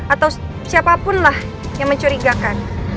atau siapapun lah yang mencurigakan